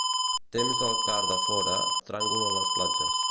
Temps del car de fora, tràngol a les platges.